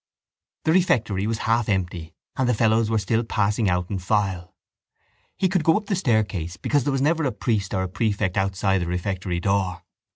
The refectory was half empty and the fellows were still passing out in file. He could go up the staircase because there was never a priest or a prefect outside the refectory door.